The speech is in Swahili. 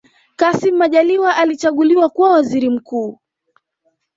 kassim majaliwa alichaguliwa kuwa waziri mkuu